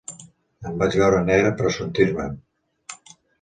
Em vaig veure negre per a sortir-me'n.